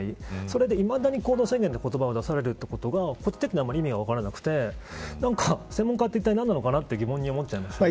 それでいまだに行動制限という言葉を出されることがあまり意味が分からなくて専門家っていったい何なのかなと思っちゃいますね。